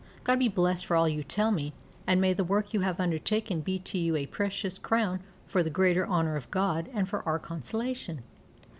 God be blessed for all you tell me, and may the work you have undertaken be to you a precious crown for the greater honour of God and for our consolation.